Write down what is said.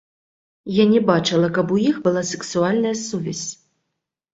Я не бачыла, каб у іх была сексуальная сувязь.